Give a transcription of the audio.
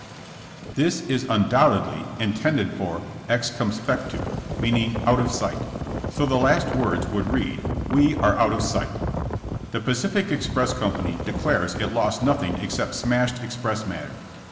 '' This is undoubtedly intended for ex co7ispectu, meaning ''out of sight." So the last words would read, ''we are out of sight.*' The Pacific Express company declares it lost nothing except smashed express matter.